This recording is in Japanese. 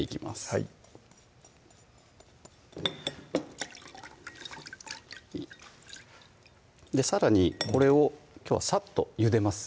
はいさらにこれをきょうはさっとゆでます